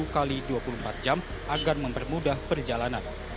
satu x dua puluh empat jam agar mempermudah perjalanan